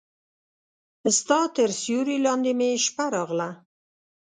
ستا تر سیوري لاندې مې شپه راغله